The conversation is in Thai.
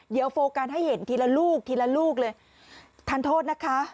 เดี๋ยวโฟล์กันให้เห็นทีละลูกทานโทษนะคะ